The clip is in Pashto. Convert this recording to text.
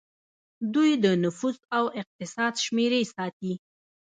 دوی د نفوس او اقتصاد شمیرې ساتي.